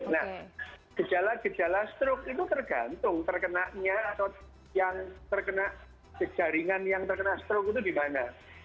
nah gejala gejala struk itu tergantung terkenanya atau yang terkena jaringan yang terkena stroke itu di mana